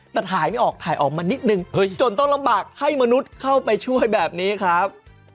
แต่ถ่ายไม่ออกถ่ายออกมานิดนึงจนต้องลำบากให้มนุษย์เข้าไปช่วยแบบนี้ครับ